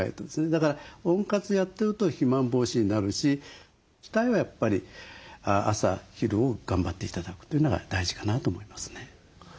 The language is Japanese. だから温活やってると肥満防止になるし主体はやっぱり朝昼を頑張って頂くというのが大事かなと思いますね。